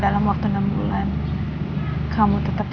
di kota kamu ubah tempat